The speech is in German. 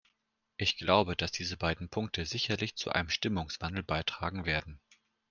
Ich glaube, dass diese beiden Punkte sicherlich zu einem Stimmungswandel beitragen werden.